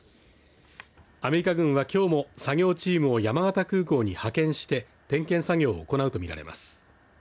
アメリカ軍はきょうも作業チームを山形空港に派遣して点検作業を行うとみられます。